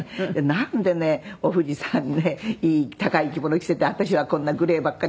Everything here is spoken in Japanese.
なんでねお富士さんにね高い着物着せて私はこんなグレーばっかりなのって。